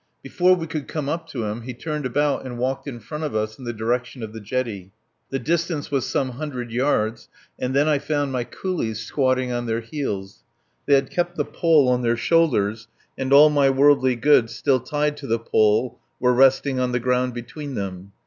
Before we could come up to him he turned about and walked in front of us in the direction of the jetty. The distance was some hundred yards; and then I found my coolies squatting on their heels. They had kept the pole on their shoulders, and all my worldly goods, still tied to the pole, were resting on the ground between them.